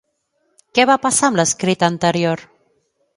Què va passar amb l'escrit anterior?